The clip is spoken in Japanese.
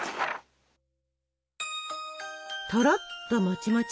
とろっともちもち！